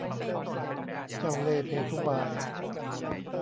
เจ้าเล่ห์เพทุบาย